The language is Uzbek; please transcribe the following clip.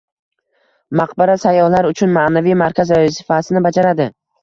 Maqbara sayyohlar uchun maʼnaviy markaz vazifasini bajaradi.